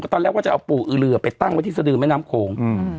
ตอนแรกก็จะเอาปู่อือเรือไปตั้งไว้ที่สดือแม่น้ำโขง